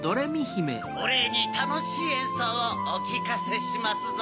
おれいにたのしいえんそうをおきかせしますぞ。